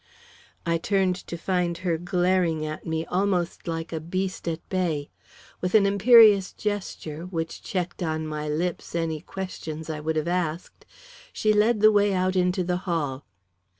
I turned to find her glaring at me almost like a beast at bay. With an imperious gesture, which checked on my lips any questions I would have asked, she led the way out into the hall.